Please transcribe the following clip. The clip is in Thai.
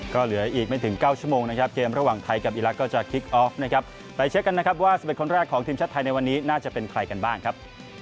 ก็เหลืออีกไม่ถึง๙ชั่วโมงนะครับเกมระหว่างไทยกับอีรักษ์ก็จะคิกออฟนะครับไปเช็คกันนะครับว่า๑๑คนแรกของทีมชาติไทยในวันนี้น่าจะเป็นใครกันบ้างครับ